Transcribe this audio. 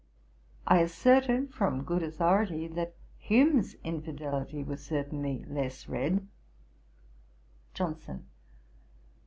I asserted, from good authority, that Hume's infidelity was certainly less read. JOHNSON.